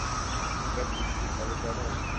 به کسی توسری زدن